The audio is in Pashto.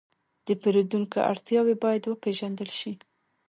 د پیرودونکو اړتیاوې باید وپېژندل شي.